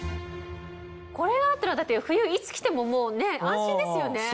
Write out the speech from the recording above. これがあったら冬いつ来てももう安心ですよね。